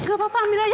gak apa apa ambil aja